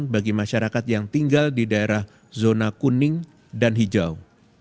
bagi masyarakat yang tinggal di daerah zona kuning dan hijau